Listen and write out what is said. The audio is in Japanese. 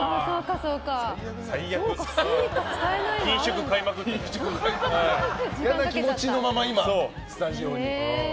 その気持ちのままスタジオに。